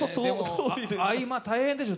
合間、大変でしょう？